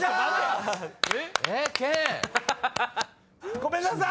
ごめんなさい！